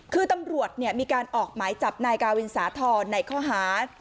คือตำรวจมีการออกหมายจับนายกาวินสาธรณ์ในข้อหา